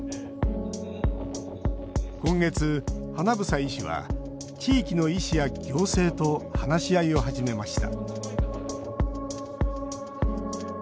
今月、英医師は地域の医師や行政と話し合いを始めました